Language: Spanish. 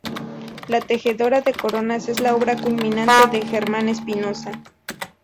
La tejedora de coronas es la obra culminante de Germán Espinosa.